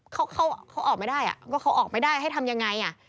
เขาเขาออกไม่ได้อ่ะก็เขาออกไม่ได้ให้ทำยังไงอ่ะ